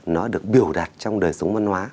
nó được biểu đặt trong đời sống văn hóa